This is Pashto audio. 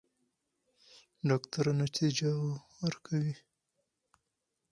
ډاکټره نتیجه ورکوي.